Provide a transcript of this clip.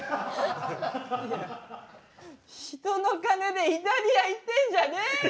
いや人の金でイタリア行ってんじゃねえよ！